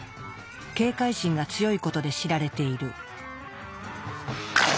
警戒心が強いことで知られている。